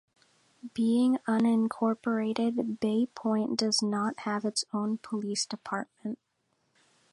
Being unincorporated, Bay Point does not have its own police department.